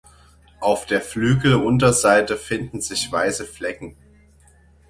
Auf der Flügelunterseite finden sich weiße Flecken.